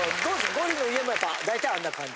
ゴリの家もやっぱ大体あんな感じ？